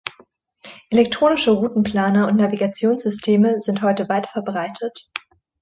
Elektronische Routenplaner und Navigationssysteme sind heute weitverbreitet.